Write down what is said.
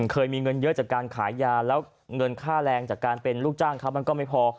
เคยมีเงินเยอะจากการขายยาแล้วเงินค่าแรงจากการเป็นลูกจ้างเขามันก็ไม่พอ